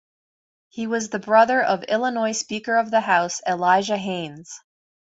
He was the brother of Illinois Speaker of the House Elijah Haines.